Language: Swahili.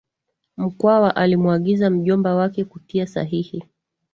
Mkwawa alimuagiza mjombawake kutia sahihi